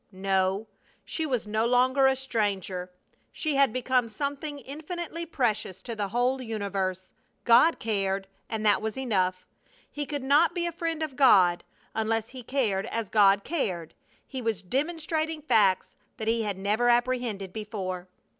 No, she was no longer a stranger! She had become something infinitely precious to the whole universe. God cared, and that was enough! He could not be a friend of God unless he cared as God cared! He was demonstrating facts that he had never apprehended before.